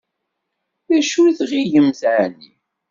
D acu i tɣilemt εni?